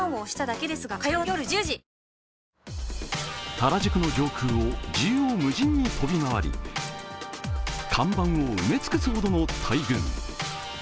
原宿の上空を縦横無尽に飛び回り、看板を埋め尽くすほどの大群。